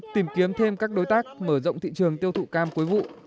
tìm kiếm thêm các đối tác mở rộng thị trường tiêu thụ cam cuối vụ